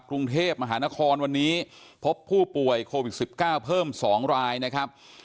กรุงเทพมหานครวันนี้พบผู้ป่วยโควิด๑๙เพิ่ม๒รายนะครับ